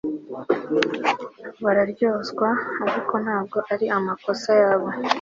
Bararyozwa ariko ntabwo ari amakosa yabo